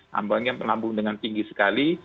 harga yang melambung dengan tinggi sekali